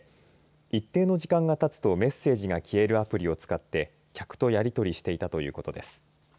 一定の時間がたつとメッセージやアプリを使って客とやりとりしていたということです。